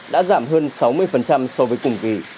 đã giảm hơn sáu mươi so với cùng kỳ